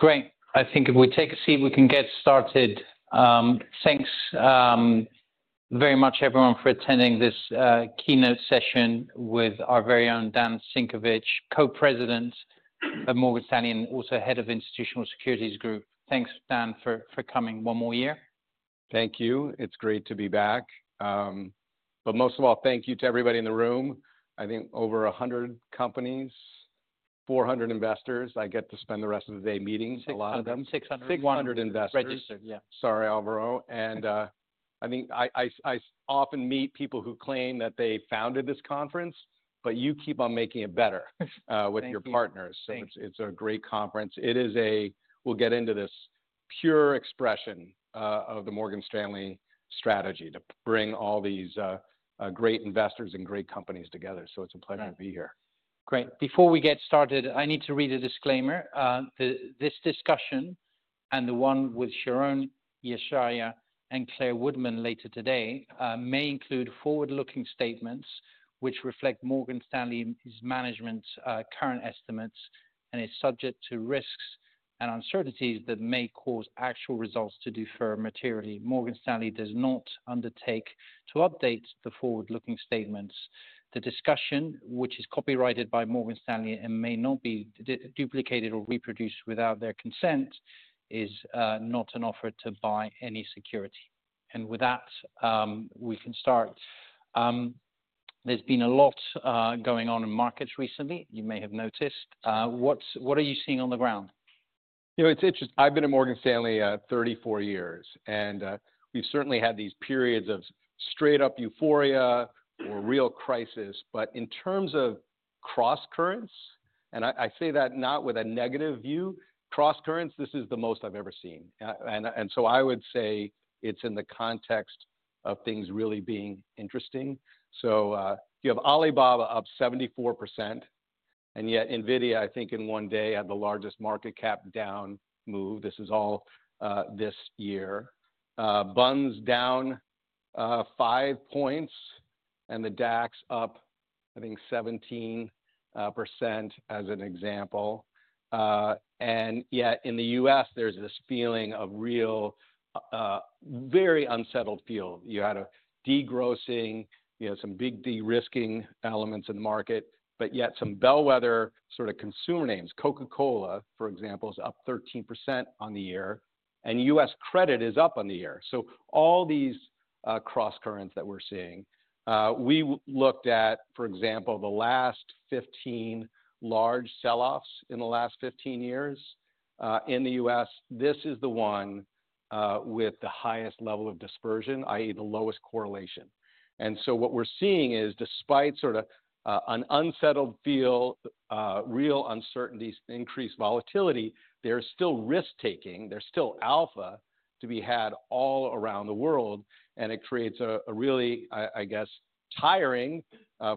Great. I think if we take a seat, we can get started. Thanks very much, everyone, for attending this keynote session with our very own Dan Simkowitz, Co-President at Morgan Stanley, and also Head of Institutional Securities Group. Thanks, Dan, for coming one more year. Thank you. It's great to be back. Most of all, thank you to everybody in the room. I think over 100 companies, 400 investors. I get to spend the rest of the day meeting a lot of them. 600. 600 investors. Registered, yeah. Sorry, Alvaro. I think I often meet people who claim that they founded this conference, but you keep on making it better with your partners. It is a great conference. It is a, we'll get into this, pure expression of the Morgan Stanley strategy to bring all these great investors and great companies together. It is a pleasure to be here. Great. Before we get started, I need to read a disclaimer. This discussion, and the one with Sharon Yeshaya and Clare Woodman later today, may include forward-looking statements which reflect Morgan Stanley's management's current estimates and is subject to risks and uncertainties that may cause actual results to differ materially. Morgan Stanley does not undertake to update the forward-looking statements. The discussion, which is copyrighted by Morgan Stanley and may not be duplicated or reproduced without their consent, is not an offer to buy any security. With that, we can start. There's been a lot going on in markets recently, you may have noticed. What are you seeing on the ground? You know, it's interesting. I've been at Morgan Stanley 34 years, and we've certainly had these periods of straight-up euphoria or real crisis. In terms of cross-currents, and I say that not with a negative view, cross-currents, this is the most I've ever seen. I would say it's in the context of things really being interesting. You have Alibaba up 74%, and yet Nvidia, I think in one day, had the largest market cap down move. This is all this year. Bunds down five points, and the DAX up, I think, 17% as an example. Yet in the U.S., there's this feeling of real, very unsettled feel. You had a degrossing, you know, some big de-risking elements in the market, yet some bellwether sort of consumer names. Coca-Cola, for example, is up 13% on the year, and U.S. credit is up on the year. All these cross-currents that we're seeing, we looked at, for example, the last 15 large selloffs in the last 15 years in the U.S. This is the one with the highest level of dispersion, i.e., the lowest correlation. What we're seeing is, despite sort of an unsettled feel, real uncertainties, increased volatility, there's still risk-taking. There's still alpha to be had all around the world. It creates a really, I guess, tiring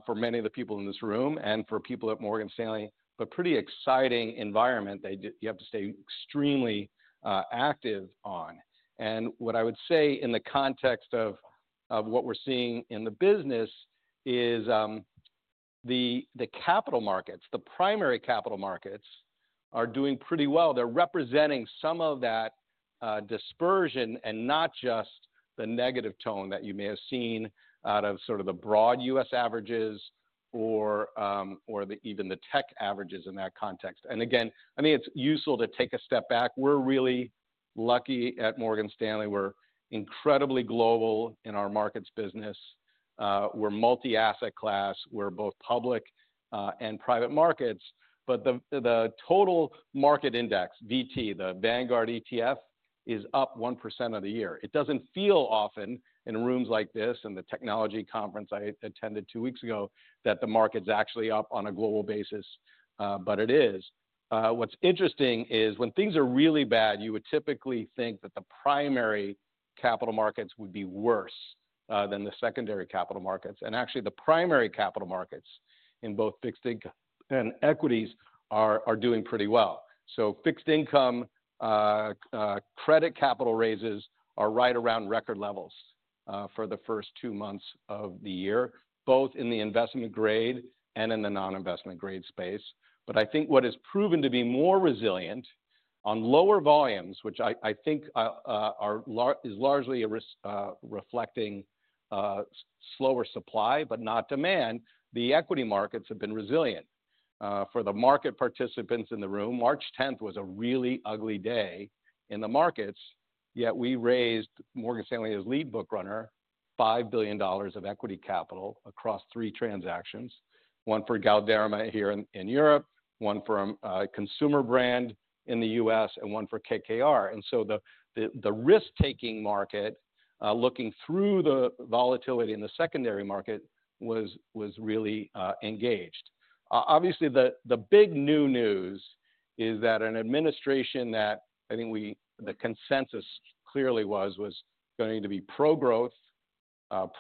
for many of the people in this room and for people at Morgan Stanley, but pretty exciting environment that you have to stay extremely active on. What I would say in the context of what we're seeing in the business is the capital markets, the primary capital markets are doing pretty well. They're representing some of that dispersion and not just the negative tone that you may have seen out of sort of the broad U.S. averages or even the tech averages in that context. I think it's useful to take a step back. We're really lucky at Morgan Stanley. We're incredibly global in our markets business. We're multi-asset class. We're both public and private markets. The total market index, VT, the Vanguard ETF, is up 1% for the year. It doesn't feel often in rooms like this and the technology conference I attended two weeks ago that the market's actually up on a global basis, but it is. What's interesting is when things are really bad, you would typically think that the primary capital markets would be worse than the secondary capital markets. Actually, the primary capital markets in both fixed income and equities are doing pretty well. Fixed income credit capital raises are right around record levels for the first two months of the year, both in the investment grade and in the non-investment grade space. I think what has proven to be more resilient on lower volumes, which I think is largely reflecting slower supply, but not demand, the equity markets have been resilient. For the market participants in the room, March 10th was a really ugly day in the markets, yet we raised, Morgan Stanley as lead bookrunner, $5 billion of equity capital across three transactions, one for Galderma here in Europe, one for consumer brand in the U.S., and one for KKR. The risk-taking market looking through the volatility in the secondary market was really engaged. Obviously, the big new news is that an administration that I think the consensus clearly was going to be pro-growth,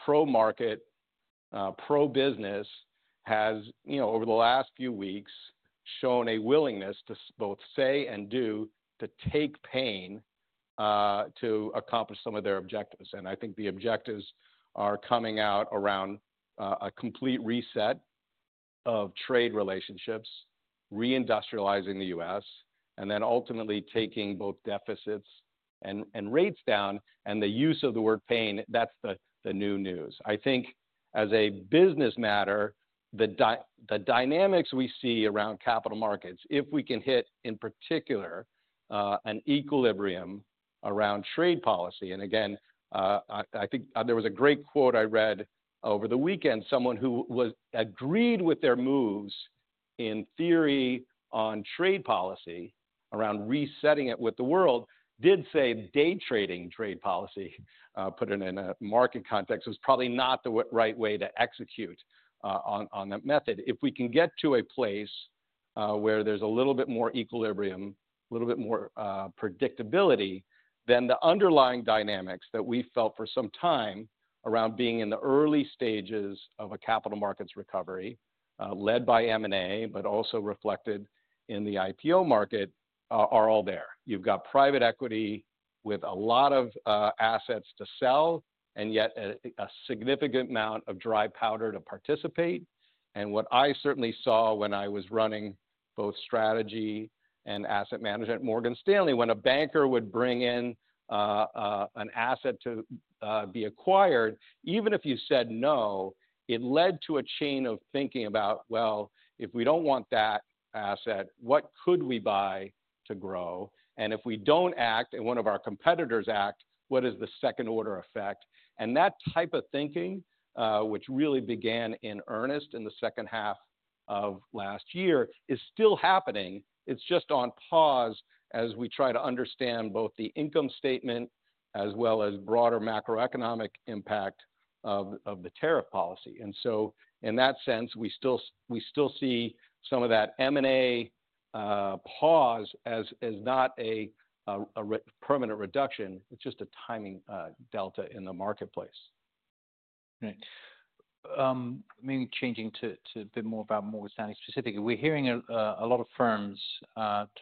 pro-market, pro-business has, you know, over the last few weeks shown a willingness to both say and do to take pain to accomplish some of their objectives. I think the objectives are coming out around a complete reset of trade relationships, reindustrializing the U.S., and then ultimately taking both deficits and rates down. The use of the word pain, that's the new news. I think as a business matter, the dynamics we see around capital markets, if we can hit in particular an equilibrium around trade policy, and again, I think there was a great quote I read over the weekend, someone who agreed with their moves in theory on trade policy around resetting it with the world did say day trading trade policy, put it in a market context, was probably not the right way to execute on that method. If we can get to a place where there's a little bit more equilibrium, a little bit more predictability, then the underlying dynamics that we felt for some time around being in the early stages of a capital markets recovery led by M&A, but also reflected in the IPO market are all there. You've got private equity with a lot of assets to sell and yet a significant amount of dry powder to participate. What I certainly saw when I was running both strategy and asset management at Morgan Stanley, when a banker would bring in an asset to be acquired, even if you said no, it led to a chain of thinking about, if we don't want that asset, what could we buy to grow? If we don't act and one of our competitors act, what is the second order effect? That type of thinking, which really began in earnest in the second half of last year, is still happening. It's just on pause as we try to understand both the income statement as well as broader macroeconomic impact of the tariff policy. In that sense, we still see some of that M&A pause as not a permanent reduction. It's just a timing delta in the marketplace. Right. Maybe changing to a bit more about Morgan Stanley specifically. We're hearing a lot of firms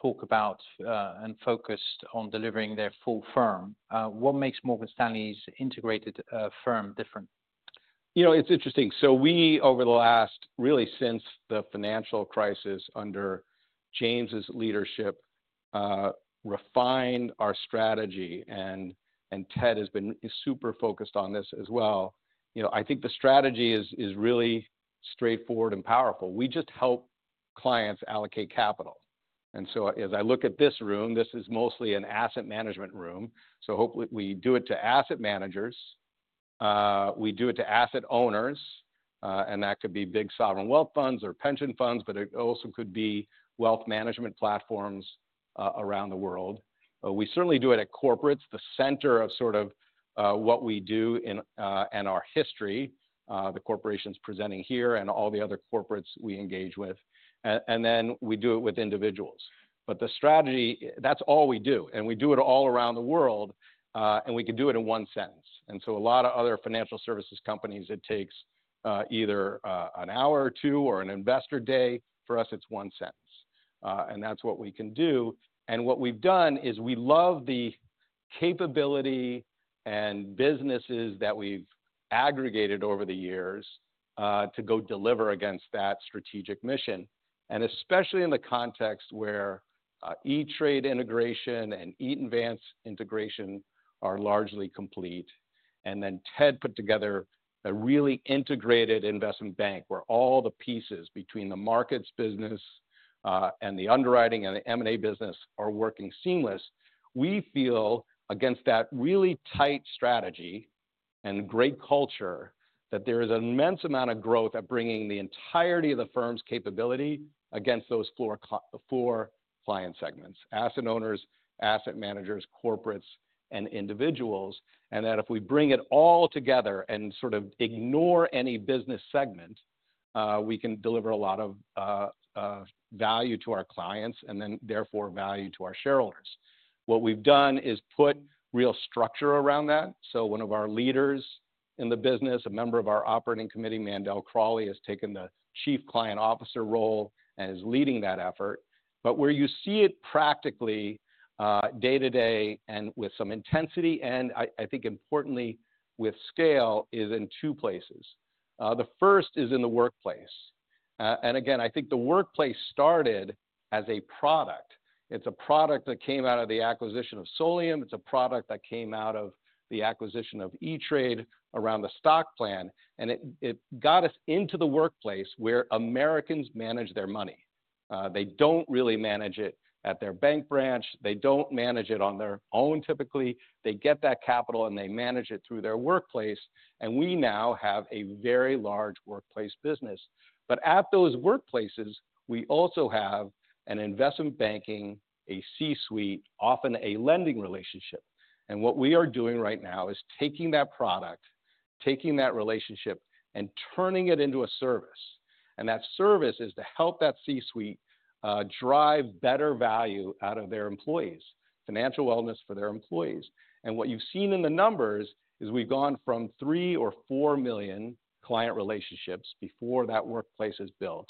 talk about and focused on delivering their full firm. What makes Morgan Stanley's integrated firm different? You know, it's interesting. We, over the last, really since the financial crisis under James's leadership, refined our strategy. Ted has been super focused on this as well. You know, I think the strategy is really straightforward and powerful. We just help clients allocate capital. As I look at this room, this is mostly an asset management room. Hopefully we do it to asset managers. We do it to asset owners. That could be big sovereign wealth funds or pension funds, but it also could be wealth management platforms around the world. We certainly do it at corporates, the center of sort of what we do in our history, the corporations presenting here and all the other corporates we engage with. We do it with individuals. The strategy, that's all we do. We do it all around the world. We can do it in one sentence. A lot of other financial services companies, it takes either an hour or two or an investor day. For us, it is one sentence. That is what we can do. What we have done is we love the capability and businesses that we have aggregated over the years to go deliver against that strategic mission, especially in the context where E*TRADE integration and Eaton Vance integration are largely complete. Ted put together a really integrated investment bank where all the pieces between the markets business and the underwriting and the M&A business are working seamless. We feel against that really tight strategy and great culture that there is an immense amount of growth at bringing the entirety of the firm's capability against those four client segments: asset owners, asset managers, corporates, and individuals. If we bring it all together and sort of ignore any business segment, we can deliver a lot of value to our clients and therefore value to our shareholders. What we have done is put real structure around that. One of our leaders in the business, a member of our Operating Committee, Mandel Crawley, has taken the Chief Client Officer role and is leading that effort. Where you see it practically day to day and with some intensity and, I think importantly, with scale is in two places. The first is in the Workplace. Again, I think the Workplace started as a product. It is a product that came out of the acquisition of Solium. It is a product that came out of the acquisition of E*TRADE around the stock plan. It got us into the Workplace where Americans manage their money. They don't really manage it at their bank branch. They don't manage it on their own typically. They get that capital and they manage it through their Workplace. We now have a very large Workplace business. At those workplaces, we also have an investment banking, a C-suite, often a lending relationship. What we are doing right now is taking that product, taking that relationship and turning it into a service. That service is to help that C-suite drive better value out of their employees, financial wellness for their employees. What you've seen in the numbers is we've gone from three or four million client relationships before that Workplace is built.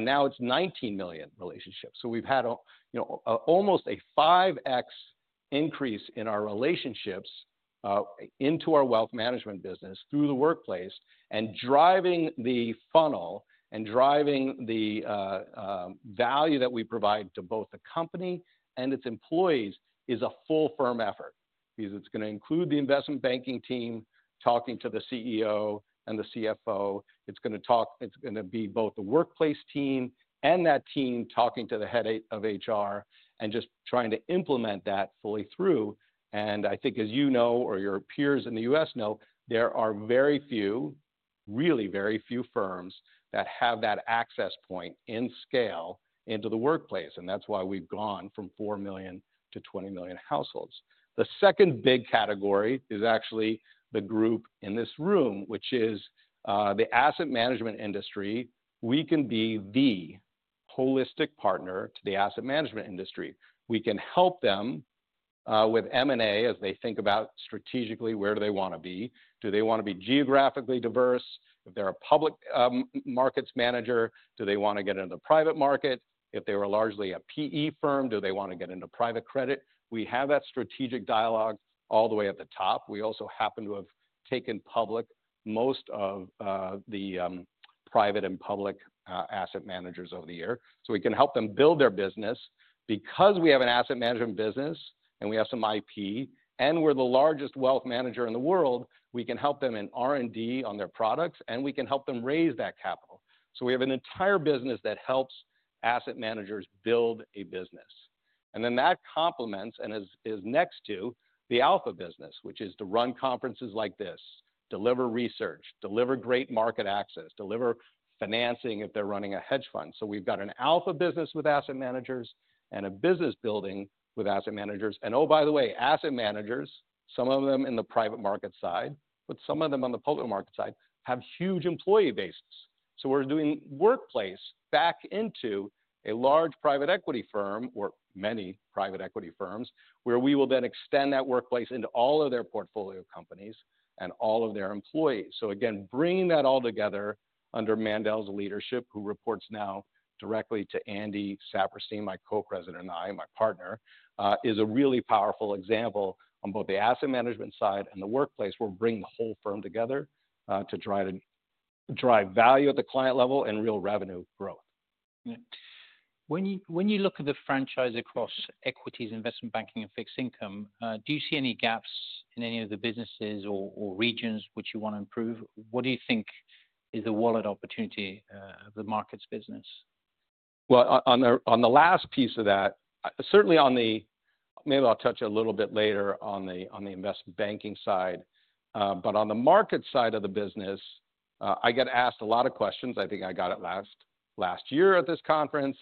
Now it's 19 million relationships. We've had almost a 5x increase in our relationships into our wealth management business through the Workplace. Driving the funnel and driving the value that we provide to both the company and its employees is a full firm effort because it's going to include the investment banking team talking to the CEO and the CFO. It is going to be both the Workplace team and that team talking to the head of HR and just trying to implement that fully through. I think as you know or your peers in the U.S. know, there are very few, really very few firms that have that access point in scale into the Workplace. That is why we've gone from 4 million households-20 million households. The second big category is actually the group in this room, which is the asset management industry. We can be the holistic partner to the asset management industry. We can help them with M&A as they think about strategically where do they want to be. Do they want to be geographically diverse? If they're a public markets manager, do they want to get into the private market? If they were largely a PE firm, do they want to get into private credit? We have that strategic dialogue all the way at the top. We also happen to have taken public most of the private and public asset managers over the year. We can help them build their business. Because we have an asset management business and we have some IP and we're the largest wealth manager in the world, we can help them in R&D on their products and we can help them raise that capital. We have an entire business that helps asset managers build a business. That complements and is next to the alpha business, which is to run conferences like this, deliver research, deliver great market access, deliver financing if they're running a hedge fund. We have got an alpha business with asset managers and a business building with asset managers. Oh, by the way, asset managers, some of them in the private market side, but some of them on the public market side have huge employee bases. We are doing Workplace back into a large private equity firm or many private equity firms where we will then extend that Workplace into all of their portfolio companies and all of their employees. Again, bringing that all together under Mandel's leadership, who reports now directly to Andy Saperstein, my co-president and I, my partner, is a really powerful example on both the asset management side and the Workplace where we bring the whole firm together to drive value at the client level and real revenue growth. When you look at the franchise across equities, investment banking, and fixed income, do you see any gaps in any of the businesses or regions which you want to improve? What do you think is the wallet opportunity of the markets business? On the last piece of that, certainly on the, maybe I'll touch a little bit later on the investment banking side. On the market side of the business, I get asked a lot of questions. I think I got it last year at this conference.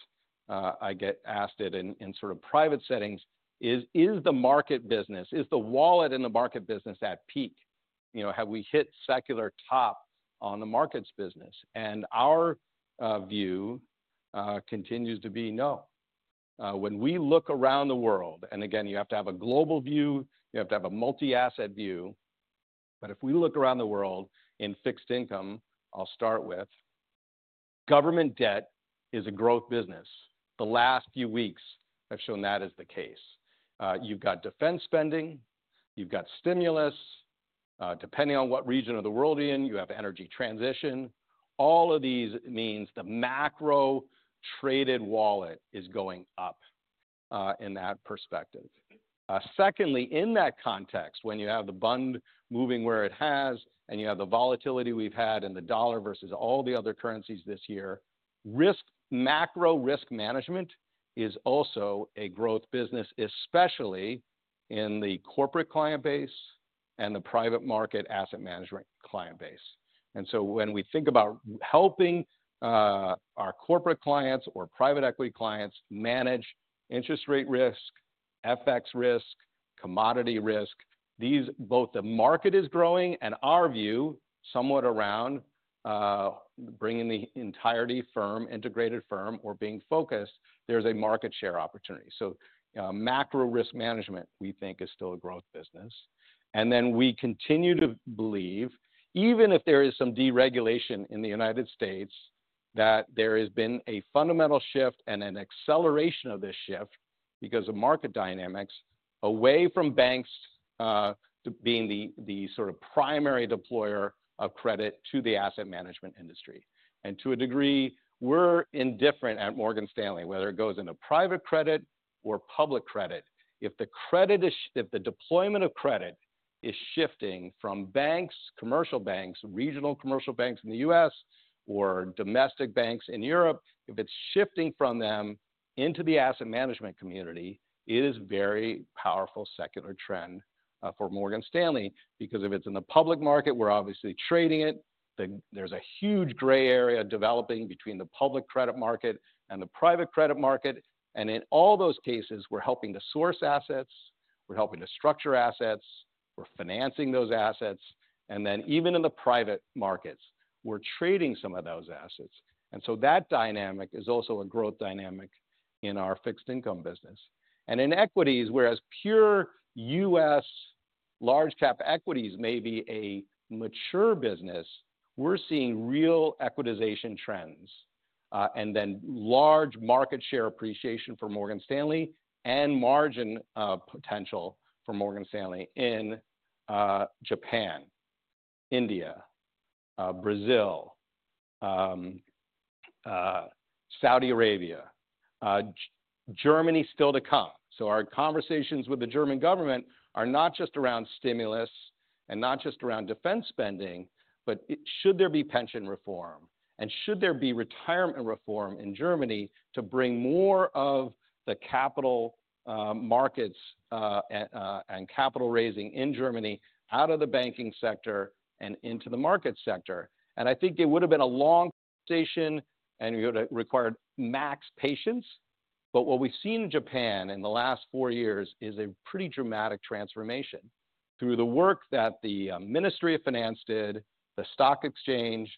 I get asked it in sort of private settings. Is the market business, is the wallet in the market business at peak? You know, have we hit secular top on the markets business? Our view continues to be no. When we look around the world, and again, you have to have a global view, you have to have a multi-asset view. If we look around the world in fixed income, I'll start with government debt, it is a growth business. The last few weeks have shown that is the case. You've got defense spending, you've got stimulus, depending on what region of the world you're in, you have energy transition. All of these means the macro traded wallet is going up in that perspective. Secondly, in that context, when you have the bond moving where it has and you have the volatility we've had in the dollar versus all the other currencies this year, macro risk management is also a growth business, especially in the corporate client base and the private market asset management client base. When we think about helping our corporate clients or private equity clients manage interest rate risk, FX risk, commodity risk, these both the market is growing and our view somewhat around bringing the entirety firm, integrated firm or being focused, there's a market share opportunity. Macro risk management we think is still a growth business. We continue to believe, even if there is some deregulation in the United States, that there has been a fundamental shift and an acceleration of this shift because of market dynamics away from banks being the sort of primary deployer of credit to the asset management industry. To a degree, we're indifferent at Morgan Stanley, whether it goes into private credit or public credit. If the deployment of credit is shifting from banks, commercial banks, regional commercial banks in the U.S. or domestic banks in Europe, if it's shifting from them into the asset management community, it is a very powerful secular trend for Morgan Stanley because if it's in the public market, we're obviously trading it. There's a huge gray area developing between the public credit market and the private credit market. In all those cases, we're helping to source assets. We're helping to structure assets. We're financing those assets. Even in the private markets, we're trading some of those assets. That dynamic is also a growth dynamic in our fixed income business. In equities, whereas pure U.S. large cap equities may be a mature business, we're seeing real equitization trends and then large market share appreciation for Morgan Stanley and margin potential for Morgan Stanley in Japan, India, Brazil, Saudi Arabia, Germany still to come. Our conversations with the German government are not just around stimulus and not just around defense spending, but should there be pension reform and should there be retirement reform in Germany to bring more of the capital markets and capital raising in Germany out of the banking sector and into the market sector. I think it would have been a long conversation and it would have required max patience. What we've seen in Japan in the last four years is a pretty dramatic transformation through the work that the Ministry of Finance did, the stock exchange,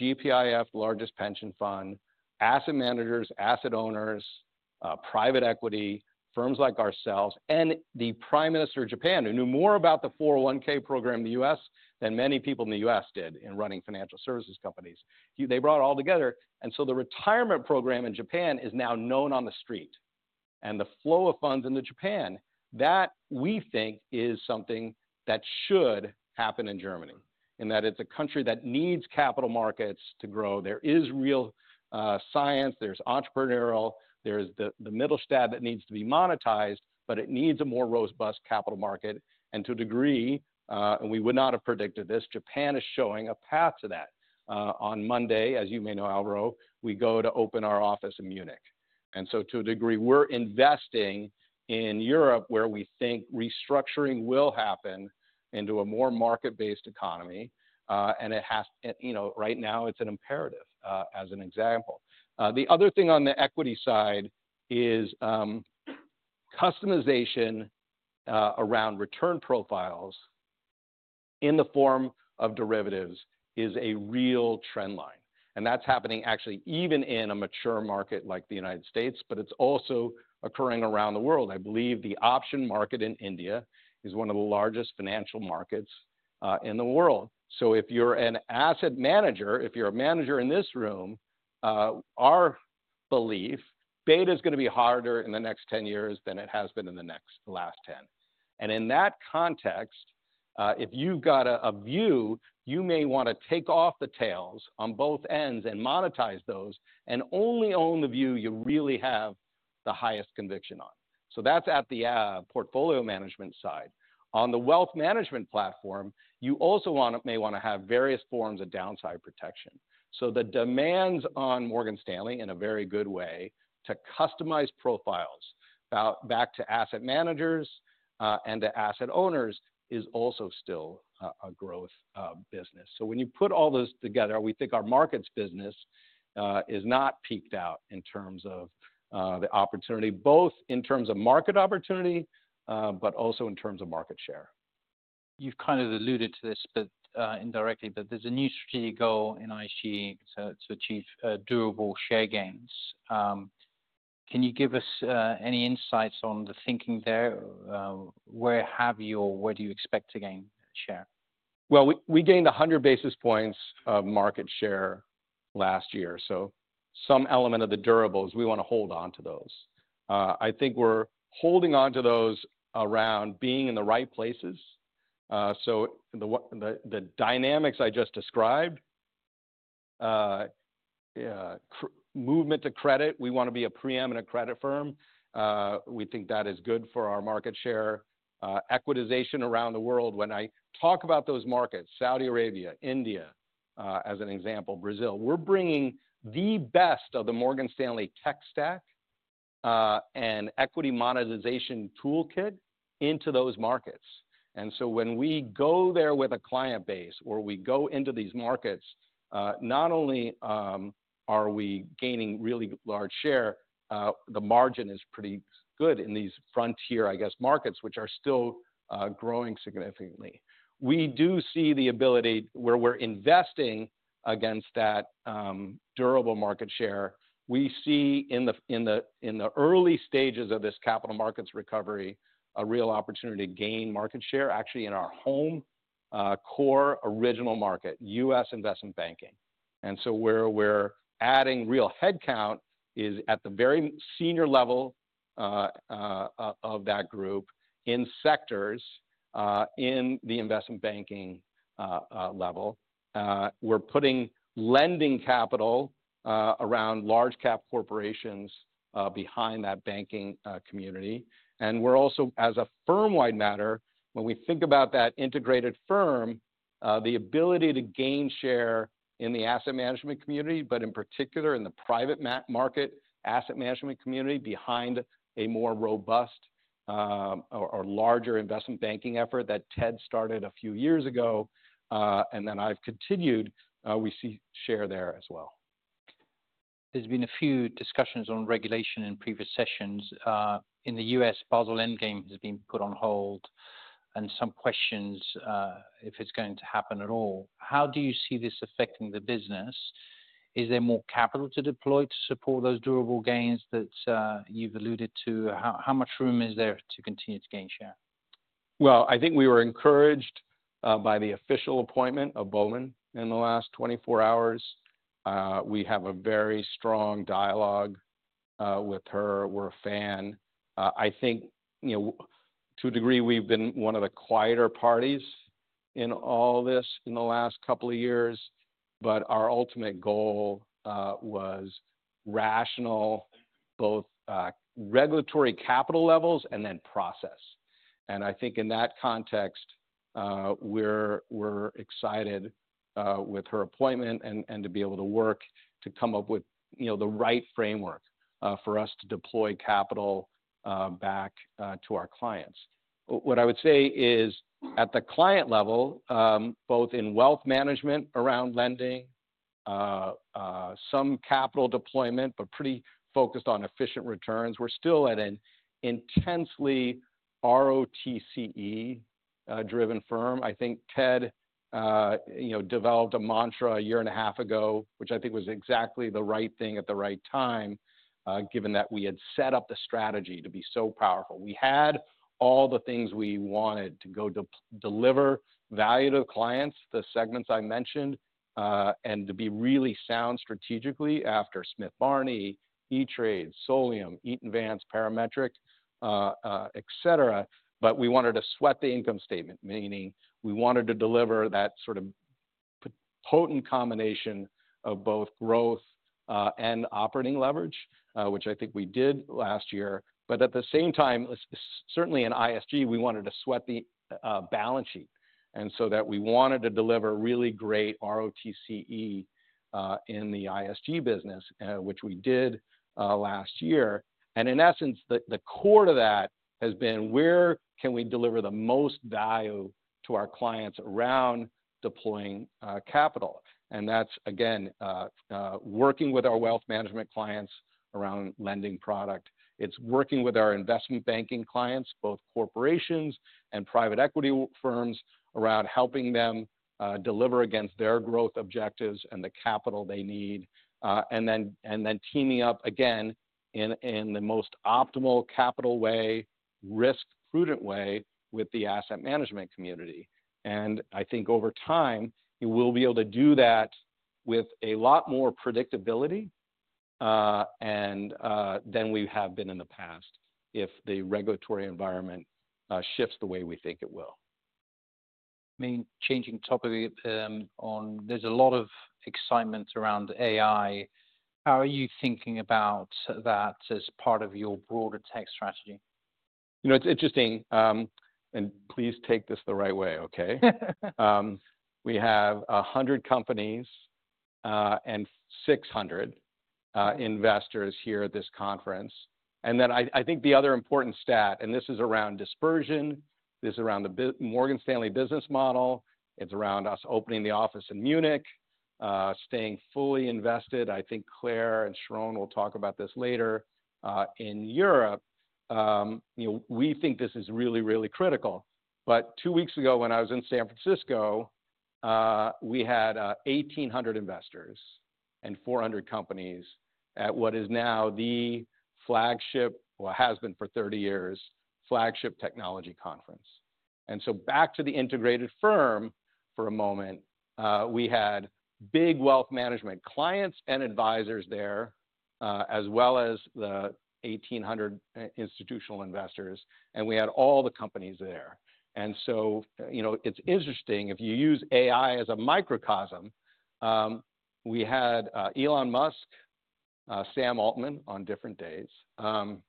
GPIF, the largest pension fund, asset managers, asset owners, private equity, firms like ourselves, and the Prime Minister of Japan who knew more about the 401(k) program in the U.S. than many people in the U.S. did in running financial services companies. They brought it all together. The retirement program in Japan is now known on the street. The flow of funds into Japan, that we think is something that should happen in Germany in that it's a country that needs capital markets to grow. There is real science. There's entrepreneurial. There's the middle stab that needs to be monetized, but it needs a more robust capital market. To a degree, and we would not have predicted this, Japan is showing a path to that. On Monday, as you may know, Alvaro, we go to open our office in Munich. To a degree, we're investing in Europe where we think restructuring will happen into a more market-based economy. It has, you know, right now it's an imperative as an example. The other thing on the equity side is customization around return profiles in the form of derivatives is a real trend line. That's happening actually even in a mature market like the United States, but it's also occurring around the world. I believe the option market in India is one of the largest financial markets in the world. If you're an asset manager, if you're a manager in this room, our belief, beta is going to be harder in the next 10 years than it has been in the last 10. In that context, if you've got a view, you may want to take off the tails on both ends and monetize those and only own the view you really have the highest conviction on. That's at the portfolio management side. On the wealth management platform, you also may want to have various forms of downside protection. The demands on Morgan Stanley in a very good way to customize profiles back to asset managers and to asset owners is also still a growth business. When you put all those together, we think our markets business is not peaked out in terms of the opportunity, both in terms of market opportunity, but also in terms of market share. You've kind of alluded to this indirectly, but there's a new strategic goal in ISG to achieve durable share gains. Can you give us any insights on the thinking there? Where have you or where do you expect to gain share? We gained 100 basis points market share last year. Some element of the durables, we want to hold on to those. I think we're holding on to those around being in the right places. The dynamics I just described, movement to credit, we want to be a preeminent credit firm. We think that is good for our market share. Equitization around the world, when I talk about those markets, Saudi Arabia, India as an example, Brazil, we're bringing the best of the Morgan Stanley tech stack and equity monetization toolkit into those markets. When we go there with a client base or we go into these markets, not only are we gaining really large share, the margin is pretty good in these frontier, I guess, markets, which are still growing significantly. We do see the ability where we're investing against that durable market share. We see in the early stages of this capital markets recovery a real opportunity to gain market share actually in our home core original market, U.S. investment banking. Where we're adding real headcount is at the very senior level of that group in sectors in the investment banking level. We're putting lending capital around large cap corporations behind that banking community. We're also, as a firm-wide matter, when we think about that integrated firm, the ability to gain share in the asset management community, but in particular in the private market asset management community behind a more robust or larger investment banking effort that Ted started a few years ago. I have continued, we see share there as well. There's been a few discussions on regulation in previous sessions. In the U.S., Basel Endgame has been put on hold and some questions if it's going to happen at all. How do you see this affecting the business? Is there more capital to deploy to support those durable gains that you've alluded to? How much room is there to continue to gain share? I think we were encouraged by the official appointment of Bowman in the last 24 hours. We have a very strong dialogue with her. We're a fan. I think, you know, to a degree, we've been one of the quieter parties in all this in the last couple of years. Our ultimate goal was rational, both regulatory capital levels and then process. I think in that context, we're excited with her appointment and to be able to work to come up with, you know, the right framework for us to deploy capital back to our clients. What I would say is at the client level, both in wealth management around lending, some capital deployment, but pretty focused on efficient returns. We're still at an intensely ROTCE-driven firm. I think Ted, you know, developed a mantra a year and a half ago, which I think was exactly the right thing at the right time, given that we had set up the strategy to be so powerful. We had all the things we wanted to go to deliver value to the clients, the segments I mentioned, and to be really sound strategically after Smith Barney, E*TRADE, Solium, Eaton Vance, Parametric, et cetera. We wanted to sweat the income statement, meaning we wanted to deliver that sort of potent combination of both growth and operating leverage, which I think we did last year. At the same time, certainly in ISG, we wanted to sweat the balance sheet. We wanted to deliver really great ROTCE in the ISG business, which we did last year. In essence, the core to that has been where can we deliver the most value to our clients around deploying capital. That's again, working with our wealth management clients around lending product. It's working with our investment banking clients, both corporations and private equity firms around helping them deliver against their growth objectives and the capital they need. Then teaming up again in the most optimal capital way, risk-prudent way with the asset management community. I think over time, we will be able to do that with a lot more predictability than we have been in the past if the regulatory environment shifts the way we think it will. I mean, changing topic on, there's a lot of excitement around AI. How are you thinking about that as part of your broader tech strategy? You know, it's interesting, and please take this the right way, okay? We have 100 companies and 600 investors here at this conference. I think the other important stat, and this is around dispersion, this is around the Morgan Stanley business model. It's around us opening the office in Munich, staying fully invested. I think Claire and Sharon will talk about this later. In Europe, you know, we think this is really, really critical. Two weeks ago when I was in San Francisco, we had 1,800 investors and 400 companies at what is now the flagship, actually has been for 30 years, flagship technology conference. Back to the integrated firm for a moment, we had big wealth management clients and advisors there, as well as the 1,800 institutional investors. We had all the companies there. You know, it's interesting if you use AI as a microcosm, we had Elon Musk, Sam Altman on different days, CEO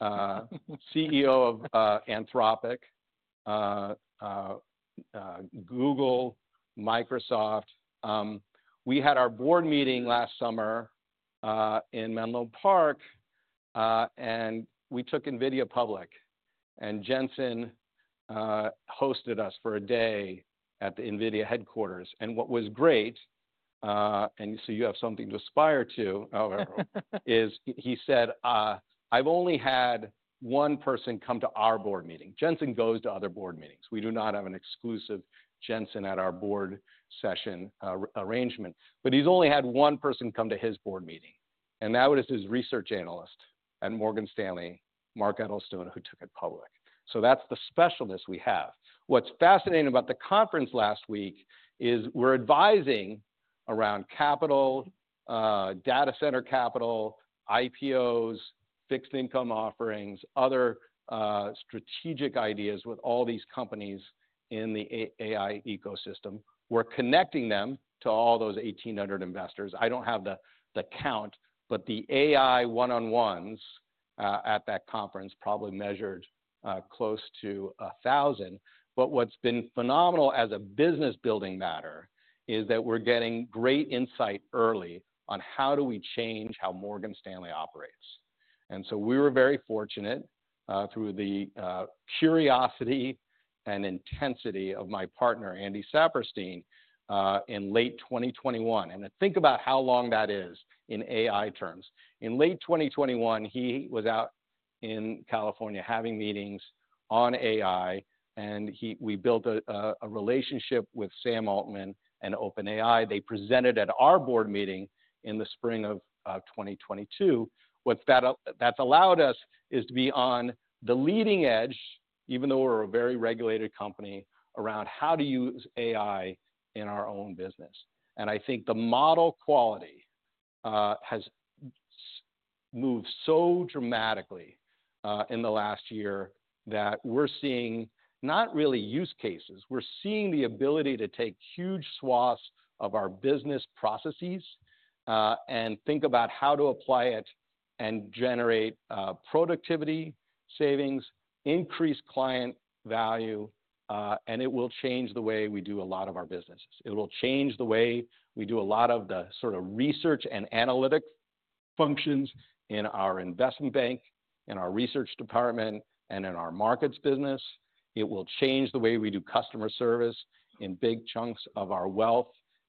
of Anthropic, Google, Microsoft. We had our board meeting last summer in Menlo Park, and we took Nvidia public. Jensen hosted us for a day at the Nvidia headquarters. What was great, and so you have something to aspire to, however, is he said, "I've only had one person come to our board meeting." Jensen goes to other board meetings. We do not have an exclusive Jensen at our board session arrangement, but he's only had one person come to his board meeting. That was his research analyst at Morgan Stanley, Mark Edelstone, who took it public. That's the specialist we have. What's fascinating about the conference last week is we're advising around capital, data center capital, IPOs, fixed income offerings, other strategic ideas with all these companies in the AI ecosystem. We're connecting them to all those 1,800 investors. I don't have the count, but the AI one-on-ones at that conference probably measured close to 1,000. What's been phenomenal as a business-building matter is that we're getting great insight early on how do we change how Morgan Stanley operates. We were very fortunate through the curiosity and intensity of my partner, Andy Saperstein, in late 2021. Think about how long that is in AI terms. In late 2021, he was out in California having meetings on AI, and we built a relationship with Sam Altman and OpenAI. They presented at our board meeting in the spring of 2022. What that's allowed us is to be on the leading edge, even though we're a very regulated company around how to use AI in our own business. I think the model quality has moved so dramatically in the last year that we're seeing not really use cases. We're seeing the ability to take huge swaths of our business processes and think about how to apply it and generate productivity savings, increase client value, and it will change the way we do a lot of our businesses. It will change the way we do a lot of the sort of research and analytic functions in our investment bank, in our research department, and in our markets business. It will change the way we do customer service in big chunks of our wealth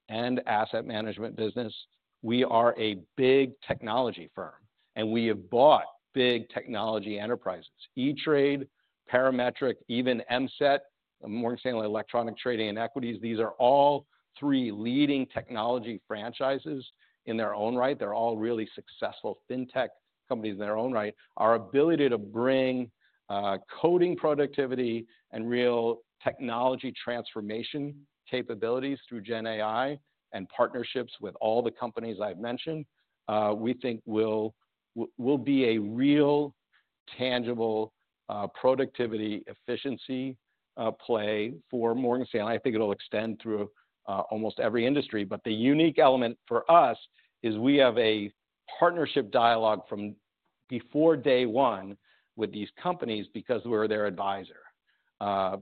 and asset management business. We are a big technology firm, and we have bought big technology enterprises, E*TRADE, Parametric, even MSET, Morgan Stanley Electronic Trading and Equities. These are all three leading technology franchises in their own right. They're all really successful fintech companies in their own right. Our ability to bring coding productivity and real technology transformation capabilities through GenAI and partnerships with all the companies I've mentioned, we think will be a real tangible productivity efficiency play for Morgan Stanley. I think it'll extend through almost every industry. The unique element for us is we have a partnership dialogue from before day one with these companies because we're their advisor,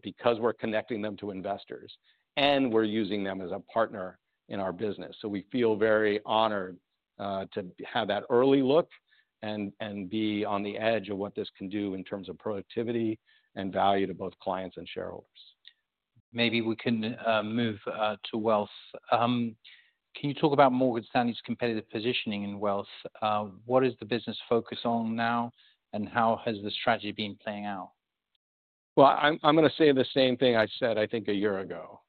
because we're connecting them to investors, and we're using them as a partner in our business. We feel very honored to have that early look and be on the edge of what this can do in terms of productivity and value to both clients and shareholders. Maybe we can move to wealth. Can you talk about Morgan Stanley's competitive positioning in wealth? What is the business focus on now, and how has the strategy been playing out? I'm going to say the same thing I said, I think, a year ago.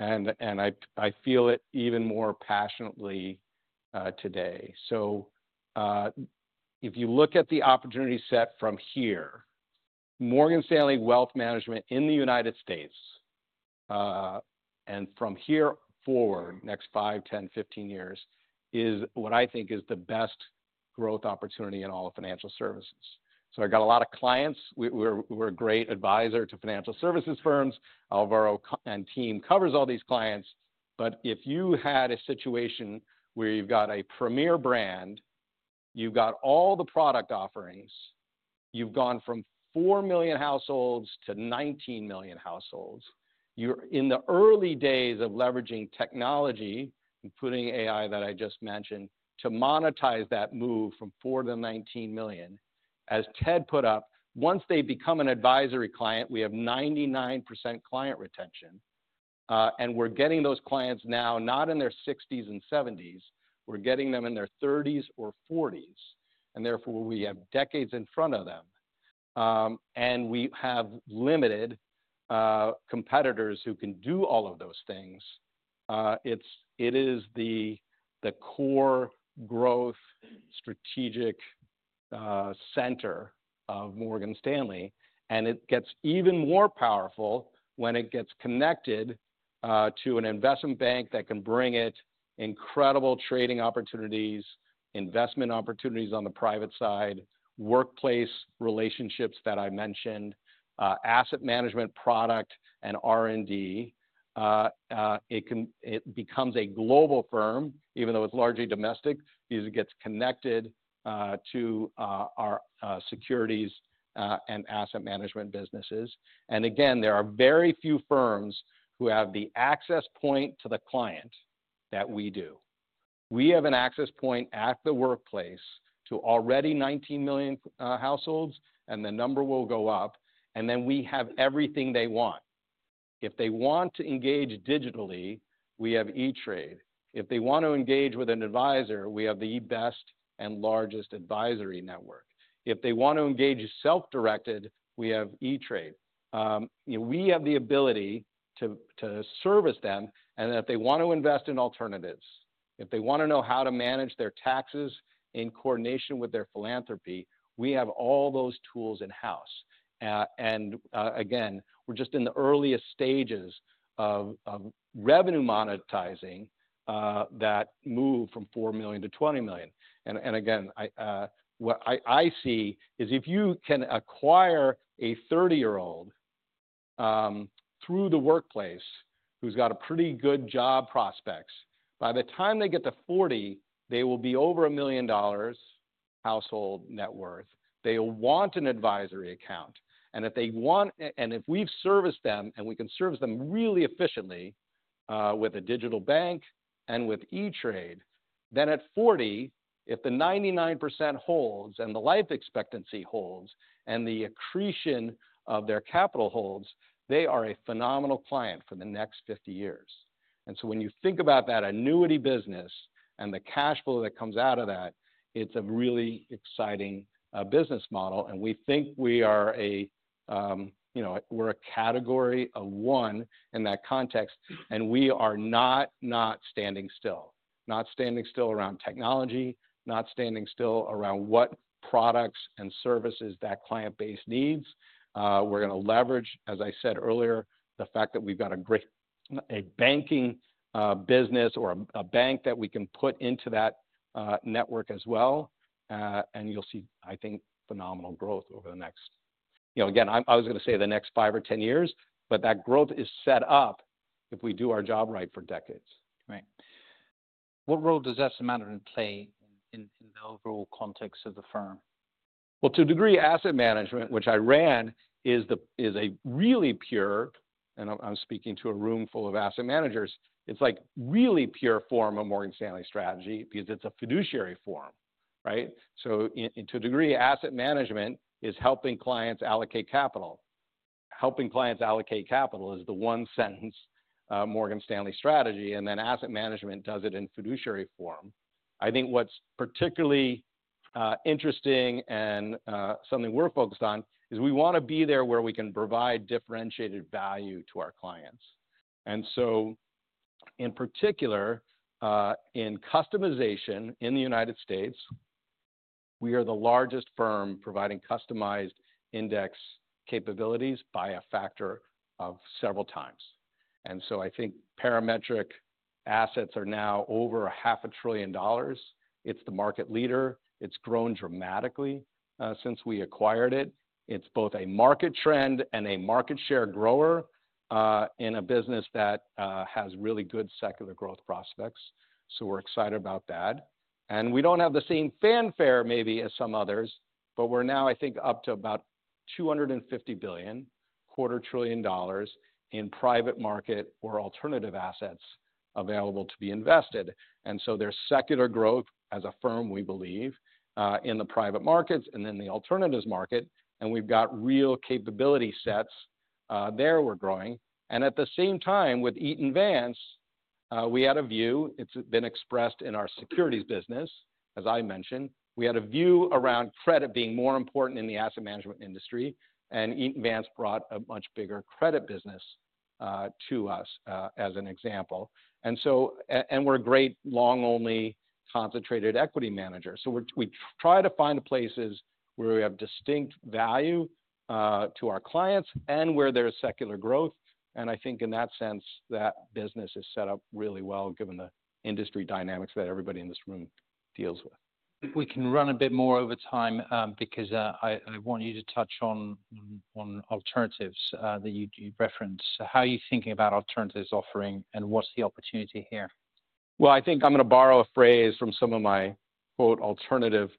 I feel it even more passionately today. If you look at the opportunity set from here, Morgan Stanley Wealth Management in the United States and from here forward, next five, 10, 15 years is what I think is the best growth opportunity in all of financial services. I've got a lot of clients. We're a great advisor to financial services firms. All of our team covers all these clients. If you had a situation where you've got a premier brand, you've got all the product offerings, you've gone from 4 million households-19 million households, you're in the early days of leveraging technology and putting AI that I just mentioned to monetize that move from 4 million-19 million. As Ted put up, once they become an advisory client, we have 99% client retention. We are getting those clients now, not in their 60s and 70s. We are getting them in their 30s or 40s. Therefore, we have decades in front of them. We have limited competitors who can do all of those things. It is the core growth strategic center of Morgan Stanley. It gets even more powerful when it gets connected to an investment bank that can bring it incredible trading opportunities, investment opportunities on the private side, workplace relationships that I mentioned, asset management product, and R&D. It becomes a global firm, even though it is largely domestic, because it gets connected to our securities and asset management businesses. Again, there are very few firms who have the access point to the client that we do. We have an access point at the Workplace to already 19 million households, and the number will go up. We have everything they want. If they want to engage digitally, we have E*TRADE. If they want to engage with an advisor, we have the best and largest advisory network. If they want to engage self-directed, we have E*TRADE. We have the ability to service them. If they want to invest in alternatives, if they want to know how to manage their taxes in coordination with their philanthropy, we have all those tools in-house. We are just in the earliest stages of revenue monetizing that move from 4 million-20 million. What I see is if you can acquire a 30-year-old through the Workplace who's got pretty good job prospects, by the time they get to 40, they will be over $1 million household net worth. They will want an advisory account. If we've serviced them and we can service them really efficiently with a digital bank and with E*TRADE, then at 40, if the 99% holds and the life expectancy holds and the accretion of their capital holds, they are a phenomenal client for the next 50 years. When you think about that annuity business and the cash flow that comes out of that, it's a really exciting business model. We think we are a, you know, we're a category of one in that context. We are not standing still, not standing still around technology, not standing still around what products and services that client base needs. We are going to leverage, as I said earlier, the fact that we have got a great banking business or a bank that we can put into that network as well. You will see, I think, phenomenal growth over the next, you know, I was going to say the next five or ten years, but that growth is set up if we do our job right for decades. Right. What role does asset management play in the overall context of the firm? To a degree, asset management, which I ran, is a really pure, and I'm speaking to a room full of asset managers, it's like really pure form of Morgan Stanley strategy because it's a fiduciary form, right? To a degree, asset management is helping clients allocate capital. Helping clients allocate capital is the one sentence Morgan Stanley strategy. Asset management does it in fiduciary form. I think what's particularly interesting and something we're focused on is we want to be there where we can provide differentiated value to our clients. In particular, in customization in the United States, we are the largest firm providing customized index capabilities by a factor of several times. I think Parametric assets are now over $500,000,000. It's the market leader. It's grown dramatically since we acquired it. It's both a market trend and a market share grower in a business that has really good secular growth prospects. We are excited about that. We do not have the same fanfare maybe as some others, but we are now, I think, up to about $250 billion, a quarter trillion dollars in private market or alternative assets available to be invested. There is secular growth as a firm, we believe, in the private markets and then the alternatives market. We have real capability sets there we are growing. At the same time with Eaton Vance, we had a view, it has been expressed in our securities business, as I mentioned, we had a view around credit being more important in the asset management industry. Eaton Vance brought a much bigger credit business to us as an example. We are a great long-only concentrated equity manager. We try to find places where we have distinct value to our clients and where there is secular growth. I think in that sense, that business is set up really well given the industry dynamics that everybody in this room deals with. If we can run a bit more over time because I want you to touch on alternatives that you referenced. How are you thinking about alternatives offering and what's the opportunity here? I think I'm going to borrow a phrase from some of my quote alternative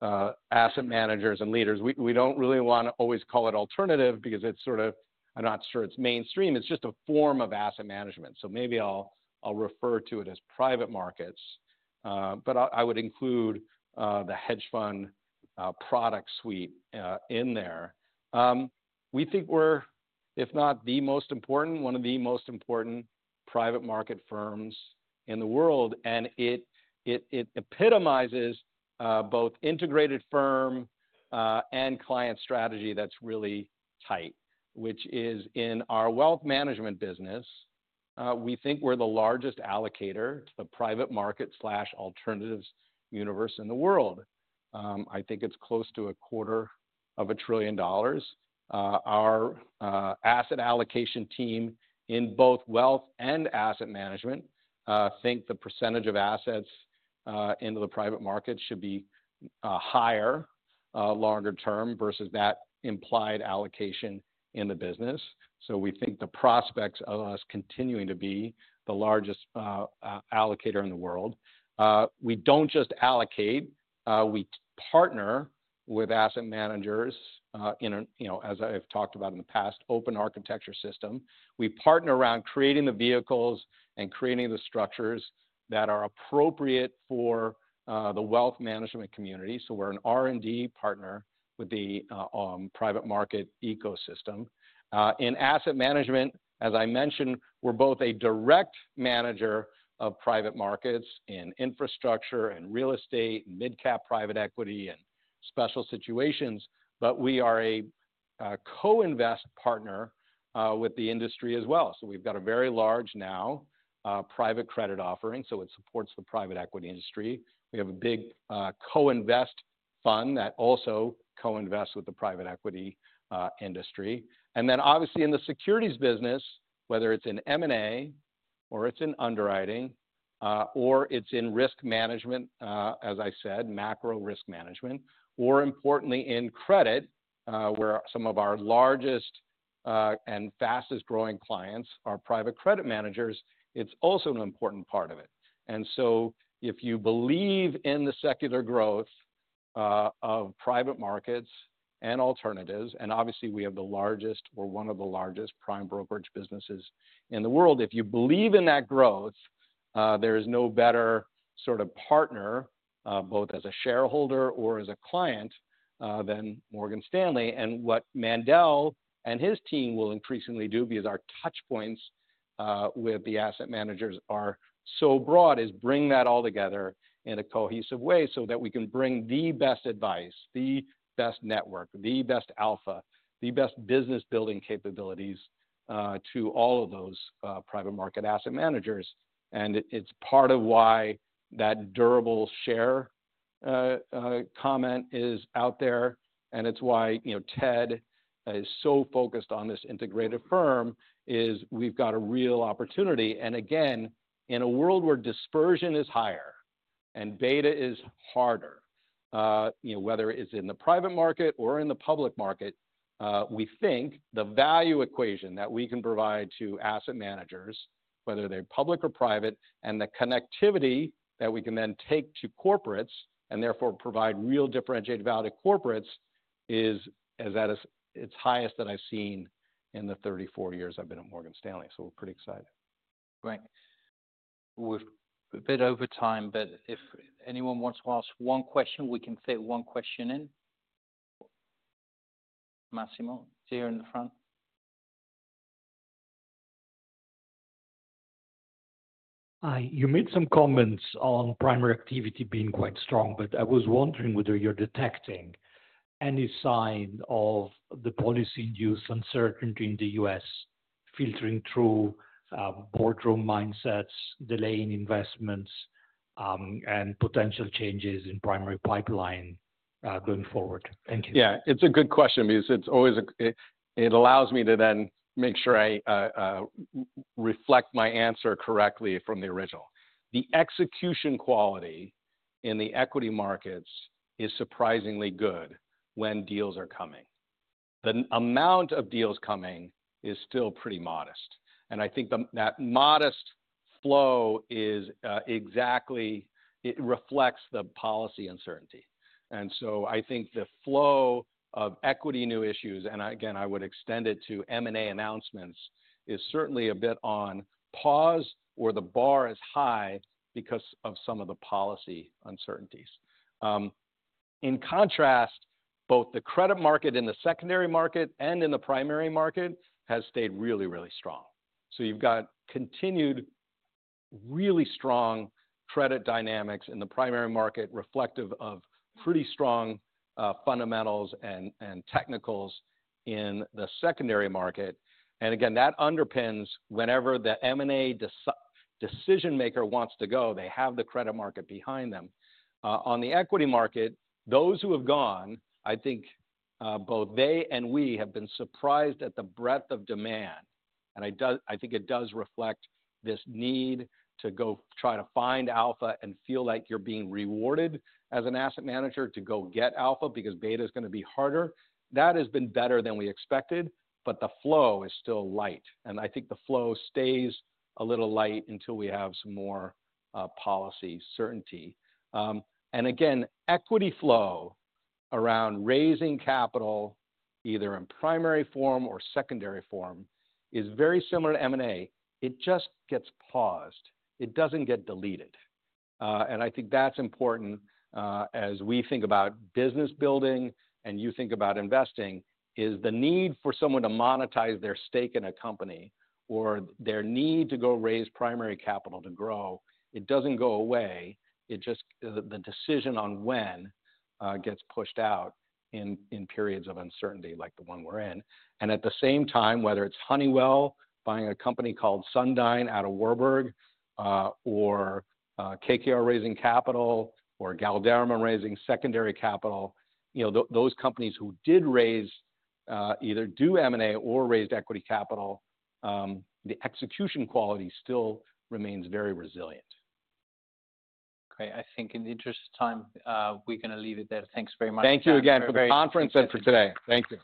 asset managers and leaders. We don't really want to always call it alternative because it's sort of, I'm not sure it's mainstream. It's just a form of asset management. Maybe I'll refer to it as private markets, but I would include the hedge fund product suite in there. We think we're, if not the most important, one of the most important private market firms in the world. It epitomizes both integrated firm and client strategy that's really tight, which is in our wealth management business, we think we're the largest allocator to the private market/alternatives universe in the world. I think it's close to a quarter of a trillion dollars. Our asset allocation team in both wealth and asset management think the percentage of assets into the private markets should be higher longer term versus that implied allocation in the business. We think the prospects of us continuing to be the largest allocator in the world. We do not just allocate. We partner with asset managers in, you know, as I've talked about in the past, open architecture system. We partner around creating the vehicles and creating the structures that are appropriate for the wealth management community. We are an R&D partner with the private market ecosystem. In asset management, as I mentioned, we are both a direct manager of private markets in infrastructure and real estate and mid-cap private equity and special situations. We are a co-invest partner with the industry as well. We have got a very large now private credit offering. It supports the private equity industry. We have a big co-invest fund that also co-invests with the private equity industry. Obviously in the securities business, whether it's in M&A or it's in underwriting or it's in risk management, as I said, macro risk management, or importantly in credit, where some of our largest and fastest growing clients are private credit managers, it's also an important part of it. If you believe in the secular growth of private markets and alternatives, and obviously we have the largest, we're one of the largest prime brokerage businesses in the world, if you believe in that growth, there is no better sort of partner, both as a shareholder or as a client, than Morgan Stanley. What Mandel and his team will increasingly do, because our touchpoints with the asset managers are so broad, is bring that all together in a cohesive way so that we can bring the best advice, the best network, the best alpha, the best business building capabilities to all of those private market asset managers. It is part of why that durable share comment is out there. It is why, you know, Ted is so focused on this integrated firm is we have got a real opportunity. Again, in a world where dispersion is higher and beta is harder, you know, whether it is in the private market or in the public market, we think the value equation that we can provide to asset managers, whether they're public or private, and the connectivity that we can then take to corporates and therefore provide real differentiated value to corporates is at its highest that I've seen in the 34 years I've been at Morgan Stanley. We are pretty excited. Right. We're a bit over time, but if anyone wants to ask one question, we can fit one question in. Massimo, you're in the front. You made some comments on primary activity being quite strong, but I was wondering whether you're detecting any sign of the policy induced uncertainty in the U.S. filtering through boardroom mindsets, delaying investments, and potential changes in primary pipeline going forward. Thank you. Yeah, it's a good question because it always, it allows me to then make sure I reflect my answer correctly from the original. The execution quality in the equity markets is surprisingly good when deals are coming. The amount of deals coming is still pretty modest. I think that modest flow is exactly, it reflects the policy uncertainty. I think the flow of equity new issues, and again, I would extend it to M&A announcements, is certainly a bit on pause or the bar is high because of some of the policy uncertainties. In contrast, both the credit market in the secondary market and in the primary market has stayed really, really strong. You have got continued really strong credit dynamics in the primary market, reflective of pretty strong fundamentals and technicals in the secondary market. That underpins whenever the M&A decision maker wants to go, they have the credit market behind them. On the equity market, those who have gone, I think both they and we have been surprised at the breadth of demand. I think it does reflect this need to go try to find alpha and feel like you're being rewarded as an asset manager to go get alpha because beta is going to be harder. That has been better than we expected, but the flow is still light. I think the flow stays a little light until we have some more policy certainty. Equity flow around raising capital either in primary form or secondary form is very similar to M&A. It just gets paused. It doesn't get deleted. I think that's important as we think about business building and you think about investing is the need for someone to monetize their stake in a company or their need to go raise primary capital to grow. It doesn't go away. It just, the decision on when gets pushed out in periods of uncertainty like the one we're in. At the same time, whether it's Honeywell buying a company called Sundyne out of Warburg or KKR raising capital or Galderma raising secondary capital, you know, those companies who did raise either do M&A or raised equity capital, the execution quality still remains very resilient. Great. I think in the interest of time, we're going to leave it there. Thanks very much. Thank you again for the conference and for today. Thank you.